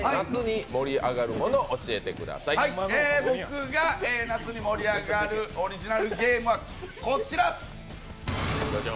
僕が夏に盛り上がるオリジナルゲームはこちら。